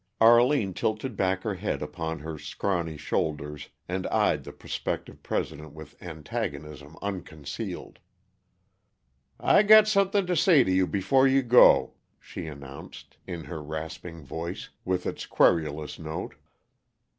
Arline tilted back her head upon her scrawny shoulders and eyed the prospective President with antagonism unconcealed. "I got something to say to you before you go," she announced, in her rasping voice, with its querulous note.